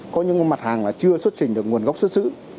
có những mặt hàng là chưa xuất trình được nguồn gốc xuất xứ